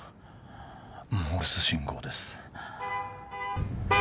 モールス信号です